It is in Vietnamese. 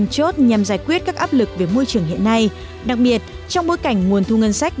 chốt nhằm giải quyết các áp lực về môi trường hiện nay đặc biệt trong bối cảnh nguồn thu ngân sách